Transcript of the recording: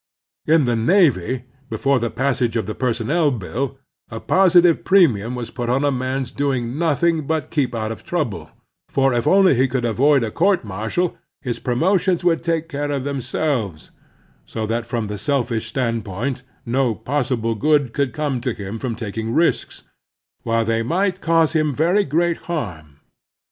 In the navy, before the passage of the Personnel Bill, a positive premium was put on a man's doing nothing but keep out of trouble ; for if only he could avoid a court mar tial, his promotions would take care of themselves, so that from the selfish standpoint no possible good could come to him from taking riste, while they might cause him very great harm.